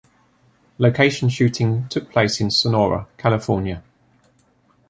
Location shooting took place in Sonora, California.